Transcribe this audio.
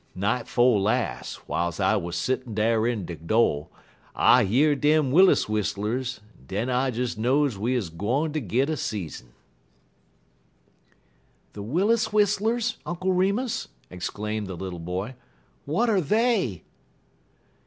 Night 'fo' las', w'iles I wuz settin' dar in de do', I year dem Willis whistlers, en den I des knowed we 'uz gwine ter git a season." "The Willis whistlers, Uncle Remus," exclaimed the little boy. "What are they?"